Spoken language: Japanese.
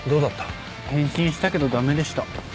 返信したけど駄目でした。